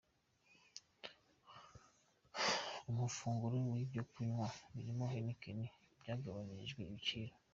Amafunguro n’ibyo kunywa birimo Heineken byagabanyirijwe ibiciro.